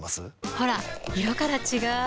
ほら色から違う！